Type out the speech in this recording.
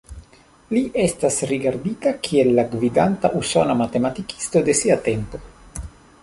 Li estas rigardita kiel la gvidanta usona matematikisto de sia tempo.